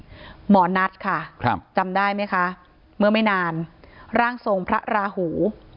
หมอนัทค่ะครับจำได้ไหมคะเมื่อไม่นานร่างทรงพระราหู